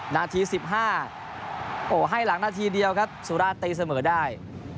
นาที๑๕โอ้ให้หลังนาทีเดียวครับสุราชตีเสมอได้